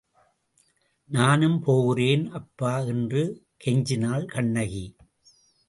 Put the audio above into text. நானும் போகிறேன், அப்பா என்று கெஞ்சினாள் கண்ணகி.